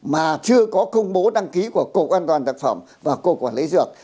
mà chưa có công bố đăng ký của cộng an toàn thực phẩm và cộng quản lý dược